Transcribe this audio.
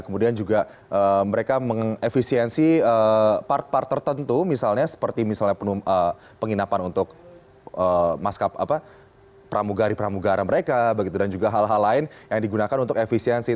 kemudian juga mereka mengefisiensi part part tertentu misalnya seperti misalnya penginapan untuk maskapagari pramugara mereka dan juga hal hal lain yang digunakan untuk efisiensi